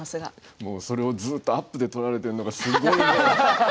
もう、それをずっとアップで撮られてるのがすごい。